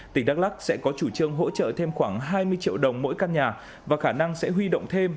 tỉnh đắk lắc sẽ có chủ trương hỗ trợ thêm khoảng hai mươi triệu đồng mỗi căn nhà và khả năng sẽ huy động thêm